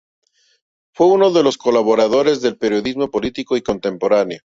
Fue uno de los colaboradores del periodismo político contemporáneo.